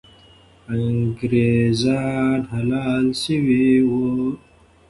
انګریزان حلال سوي وو.